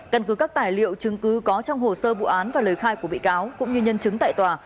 căn cứ các tài liệu chứng cứ có trong hồ sơ vụ án và lời khai của bị cáo cũng như nhân chứng tại tòa